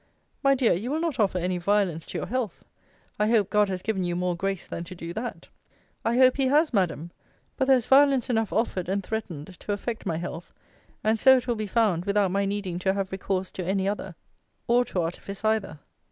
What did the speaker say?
My dear, you will not offer any violence to your health? I hope, God has given you more grace than to do that. I hope he has, Madam. But there is violence enough offered, and threatened, to affect my health; and so it will be found, without my needing to have recourse to any other, or to artifice either.